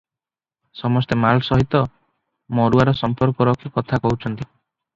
ସମସ୍ତେ ମାଲ ସହିତ ମରୁଆର ସମ୍ପର୍କ ରଖି କଥା କହୁଛନ୍ତି ।